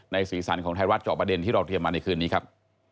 สีสันของไทยรัฐจอบประเด็นที่เราเตรียมมาในคืนนี้ครับ